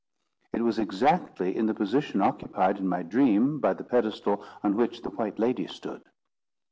It was exactly in the position occupied, in my dream, by the pedestal on which the white lady stood.